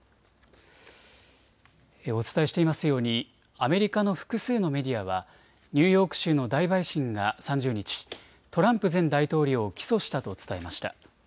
お伝えしていますようにアメリカの複数のメディアはニューヨーク州の大陪審が３０日、トランプ前大統領を起訴したと伝えました。